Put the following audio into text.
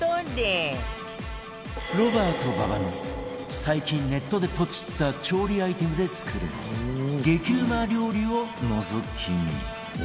ロバート馬場の最近ネットでポチった調理アイテムで作る激うま料理をのぞき見